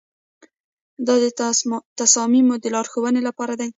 دا د تصامیمو د لارښوونې لپاره دی.